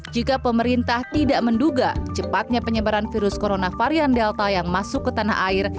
jika pemerintah tidak menduga cepatnya penyebaran virus corona varian delta yang masuk ke tanah air